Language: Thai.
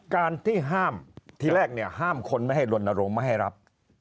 การที่ห้ามทีแรกเนี่ยห้ามคนไม่ให้ลนโรงไม่ให้รับ